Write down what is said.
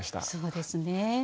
そうですね。